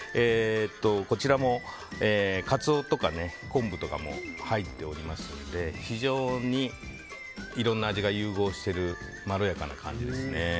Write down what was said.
こちらもカツオとか昆布とかも入っておりますので非常にいろんな味が融合しているまろやかな感じです。